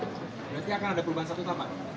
berarti akan ada perubahan statuta pak